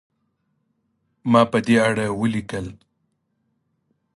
ما په دې اړه ولیکل.